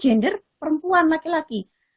gender perempuan laki laki